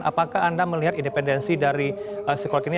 apakah anda melihat independensi dari psikolog ini